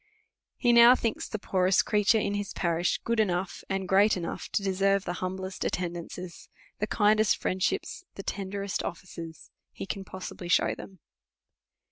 He now thinks the poorest creature in his parish good enougli, and great enough, to deserve the humblest attendances, the kindest friendships, the ten derest offices, he can possibly shew them.